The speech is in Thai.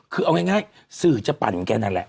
คือเอาง่ายสื่อจะปั่นแกนั่นแหละ